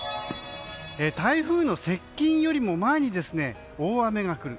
台風の接近よりも前に大雨が来る。